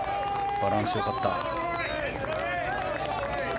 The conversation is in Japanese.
バランス良かった。